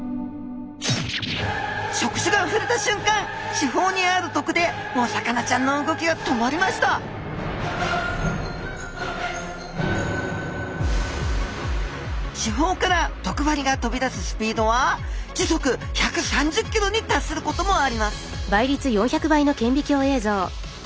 触手がふれたしゅんかん刺胞にある毒でお魚ちゃんの動きが止まりました刺胞から毒針が飛び出すスピードは時速１３０ｋｍに達することもあります